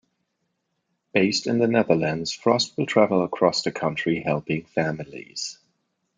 Based in the Netherlands, Frost will travel across the country helping families.